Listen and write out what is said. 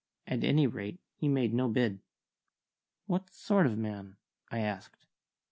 At any rate, he made no bid. "What sort of man?" I asked.